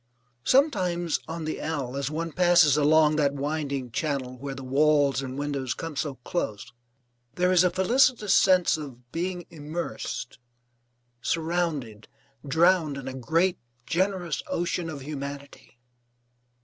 Sometimes, on the L, as one passes along that winding channel where the walls and windows come so close, there is a felicitous sense of being immersed, surrounded, drowned in a great, generous ocean of humanity.